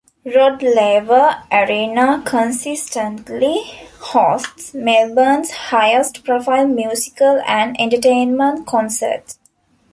Rod Laver Arena consistently hosts Melbourne's highest-profile musical and entertainment concerts.